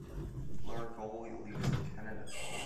Lord Galway lives in Canada.